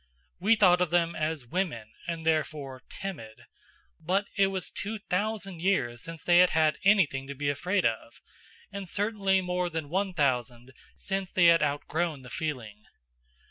We thought of them as "Women," and therefore timid; but it was two thousand years since they had had anything to be afraid of, and certainly more than one thousand since they had outgrown the feeling.